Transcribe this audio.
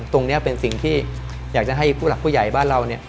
ตรงนี้เป็นสิ่งที่อยากจะให้ผู้หลักผู้ใหญ่บ้านเราเนี่ย